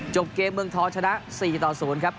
จบเกมเมืองทองชนะ๔ต่อ๐ครับ